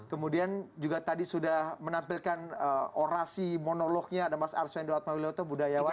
kemudian juga tadi sudah menampilkan orasi monolognya ada mas arswendo atmawiloto budayawan